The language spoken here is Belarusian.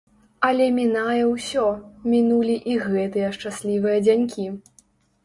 Але мінае ўсё, мінулі і гэтыя шчаслівыя дзянькі.